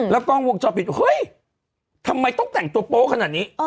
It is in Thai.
กล้องวงจรปิดเฮ้ยทำไมต้องแต่งตัวโป๊ะขนาดนี้